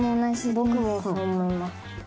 ぼくもそう思います。